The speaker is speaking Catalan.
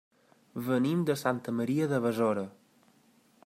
Venim de Santa Maria de Besora.